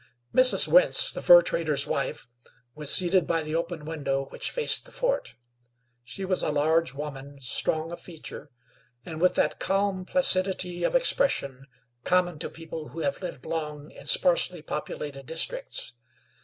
Mrs. Wentz, the fur trader's wife, was seated by the open window which faced the fort; she was a large woman, strong of feature, and with that calm placidity of expression common to people who have lived long in sparsely populated districts.